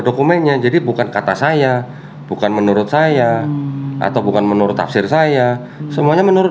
dokumennya jadi bukan kata saya bukan menurut saya atau bukan menurut tafsir saya semuanya menurut